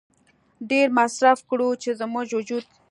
ډېر مصرف کړو چې زموږ وجود